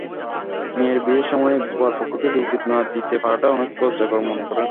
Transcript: মেয়ের বিয়ের সময় বরপক্ষকে যৌতুক না দিতে পারাটা অনেকে লজ্জাকর মনে করেন।